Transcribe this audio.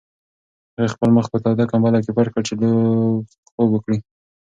هغې خپل مخ په توده کمپله کې پټ کړ چې لږ خوب وکړي.